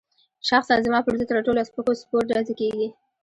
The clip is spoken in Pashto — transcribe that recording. شخصاً زما پر ضد رټلو او سپکو سپور ډزې کېږي.